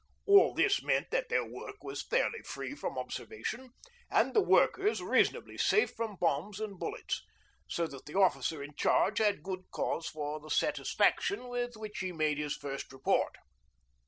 All this meant that their work was fairly free from observation, and the workers reasonably safe from bombs and bullets, so that the officer in charge had good cause for the satisfaction with which he made his first report.